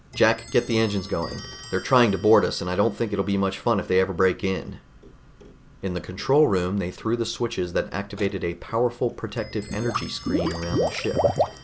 "Jack, get the engines going. They're trying to board us, and I don't think it'll be much fun if they ever break in." In the control room they threw the switches that activated a powerful protective energy screen around the ship.